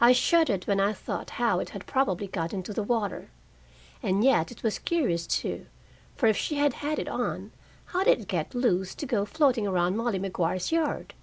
I shuddered when I thought how it had probably got into the water. And yet it was curious, too, for if she had had it on, how did it get loose to go floating around Molly Maguire's yard?